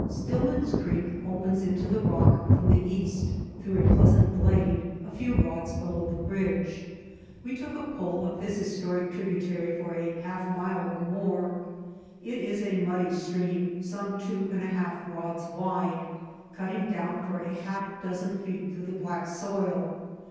Stillman's Creek opens into the Rock from the east, through a pleasant glade, a few rods below the bridge. We took a pull up this historic tributary for a half mile or more. It is a muddy stream, some two and a half rods wide, cutting down for a half dozen feet through the black soil.